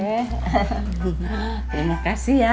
terima kasih ya